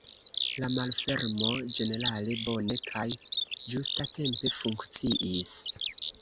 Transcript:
La malfermo ĝenerale bone kaj ĝustatempe funkciis.